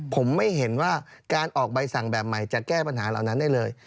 ผมไม่เห็นว่าการออกใบสั่งแบบใหม่จะแก้ปัญหาเหล่านั้นได้เลย